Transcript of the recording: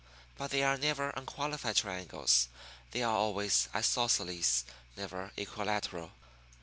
But they are never unqualified triangles. They are always isosceles never equilateral.